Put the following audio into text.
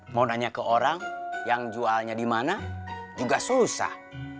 mau nanya ke orang yang jualnya dimana juga susah